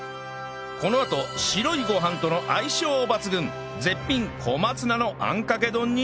このあと白いご飯との相性抜群絶品小松菜の餡かけ丼に